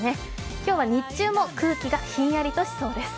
今日は日中も空気がひんやりとしそうです。